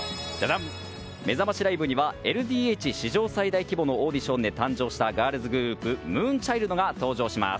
めざましライブにはＬＤＨ史上最大規模のオーディションで誕生したガールズグループＭＯＯＮＣＨＩＬＤが登場します。